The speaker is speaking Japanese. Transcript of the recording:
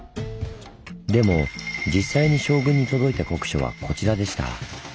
でも実際に将軍に届いた国書はこちらでした。